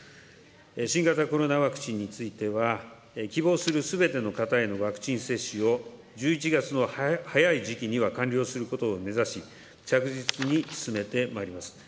新型コロナワクチンについては、希望するすべての方へのワクチン接種を１１月の早い時期には完了することを目指し、着実に進めてまいります。